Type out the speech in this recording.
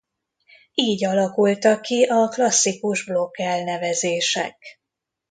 Így alakultak ki a klasszikus blokk elnevezések.